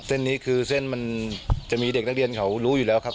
เส้นนี้คือเส้นมันจะมีเด็กนักเรียนเขารู้อยู่แล้วครับ